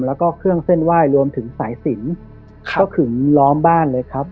แล้วก็เครื่องเส้นไหว้รวมถึงสายสินก็ขึงล้อมบ้านเลยครับ